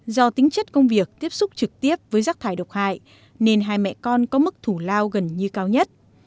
do tính chất công việc tiếp xúc trực tiếp với rác thải độc hại nên hai mẹ con có mức thủ lao gần như cao nhất